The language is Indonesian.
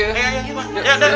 berapa ya bang